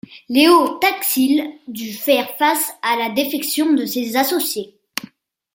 Léo Taxil dut faire face à la défection de ses associés.